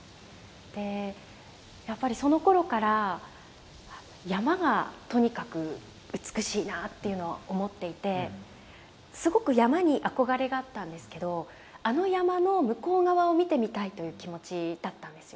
でやっぱりそのころから山がとにかく美しいなっていうのは思っていてすごく山に憧れがあったんですけどあの山の向こう側を見てみたいという気持ちだったんですよね。